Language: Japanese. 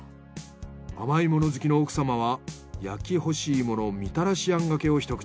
甘いもの好きの奥様は焼き干し芋のみたらし餡がけを一口。